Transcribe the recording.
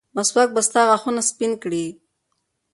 مسواک به ستا غاښونه سپین کړي.